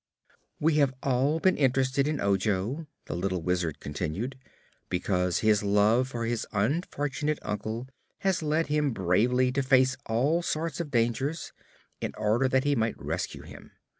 "We have all been interested in Ojo," the little Wizard continued, "because his love for his unfortunate uncle has led him bravely to face all sorts of dangers, in order that he might rescue him.